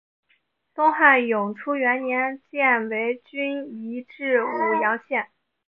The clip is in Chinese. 东汉永初元年犍为郡移治武阳县。